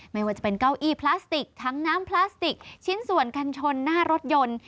ไม่ว่าจะเป็นเก้าอี้พลาสติกทั้งน้ำพลาสติกชิ้นส่วนกันชนหน้ารถยนต์